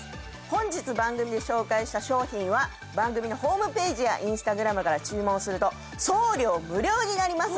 本日番組で紹介した商品は番組のホームページやＩｎｓｔａｇｒａｍから注文すると送料無料になります。